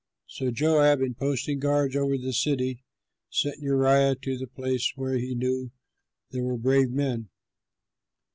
So Joab, in posting guards over the city, sent Uriah to the place where he knew there were brave men.